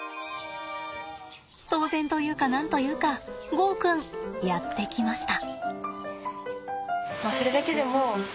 当然というか何と言うかゴーくんやって来ました。